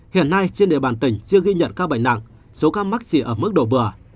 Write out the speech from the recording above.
hiện nay trên địa bàn tỉnh chưa ghi nhận các bệnh nặng số ca mắc chỉ ở mức độ vừa